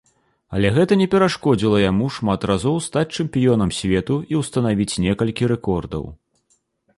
Але гэта не перашкодзіла яму шмат разоў стаць чэмпіёнам свету і ўстанавіць некалькі рэкордаў.